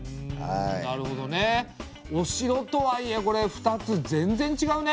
なるほどね。お城とはいえこれ２つ全然ちがうね。